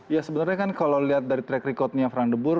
ya sebenarnya kan kalau lihat dari track record nya frank de boer